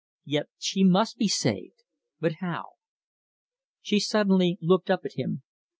Yet she must be saved. But how? She suddenly looked up at him.